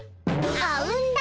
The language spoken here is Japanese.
あうんだ！